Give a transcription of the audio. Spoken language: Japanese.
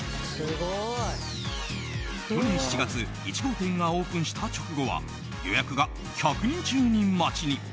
去年７月１号店がオープンした直後は予約が１２０人待ちに。